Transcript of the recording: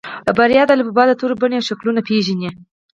بريا د الفبا د تورو بڼې او شکلونه پېژني.